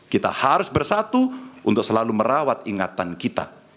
kita harus bersatu untuk selalu merawat ingatan kita